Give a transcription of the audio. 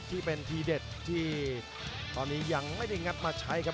ที่เป็นทีเด็ดที่ตอนนี้ยังไม่ได้งัดมาใช้ครับ